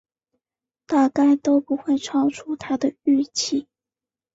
大概都不会超出他的预期